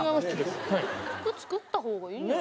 服作った方がいいんじゃ。